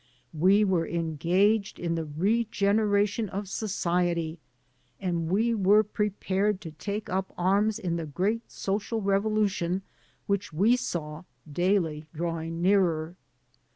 We were engaged in the regeneration of society, and we were prepared to take up arms in the great social revolution which we saw daily drawing nearer.